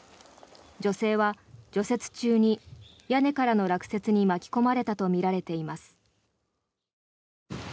女性は除雪中に屋根からの落雪に巻き込まれたとみられています。